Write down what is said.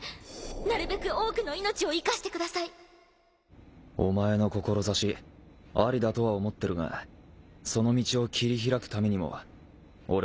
なるべく多くの命を生かしてくださ阿了ありだとは思ってるがその道を切り開くためにも兇鰐椶料阿療┐